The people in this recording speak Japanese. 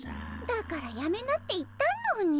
だからやめなって言ったのに。